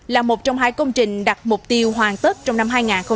là một trong hai công trình đặt mục tiêu hoàn tất trong năm hai nghìn hai mươi